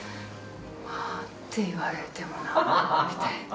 「わぁ！」って言われてもなみたいな。